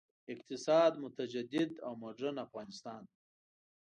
اقتصاد، متجدد او مډرن افغانستان.